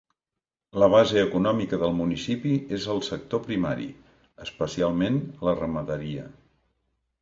La base econòmica del municipi és el sector primari, especialment la ramaderia.